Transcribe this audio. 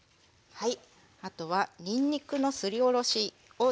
はい。